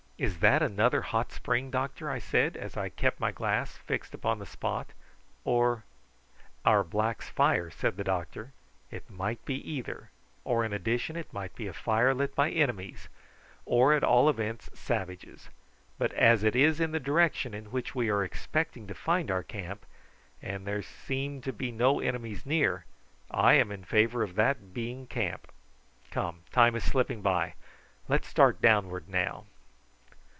"Is that another hot spring, doctor?" I said, as I kept my glass fixed upon the spot; "or " "Our blacks' fire," said the doctor. "It might be either; or in addition it might be a fire lit by enemies, or at all events savages; but as it is in the direction in which we are expecting to find our camp, and there seem to be no enemies near, I am in favour of that being camp. Come: time is slipping by. Let's start downward now."